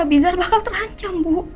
abisar bakal terancam bu